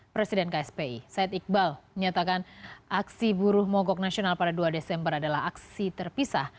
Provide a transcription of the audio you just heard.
presiden kspi said iqbal menyatakan aksi buruh mogok nasional pada dua desember adalah aksi terpisah